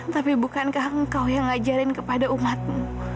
tapi bukankah engkau yang ngajarin kepada umatmu